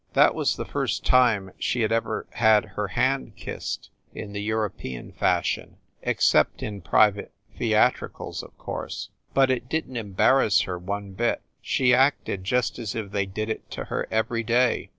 That was the first time she had ever had her hand kissed, in the European fashion except in private theatricals, of course but it didn t embarrass her one bit. She acted just as if they did it to her every day.